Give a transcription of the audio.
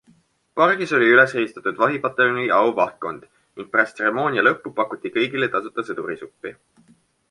Pargis oli üles rivistatud Vahipataljoni auvahtkond ning pärast tseremoonia lõppu pakuti kõigile tasuta sõdurisuppi.